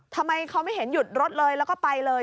ทำไมเขาไม่เห็นหยุดรถเลยแล้วก็ไปเลย